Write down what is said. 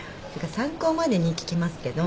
参考までに聞きますけど。